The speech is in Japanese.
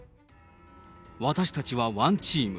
私たちはワンチーム。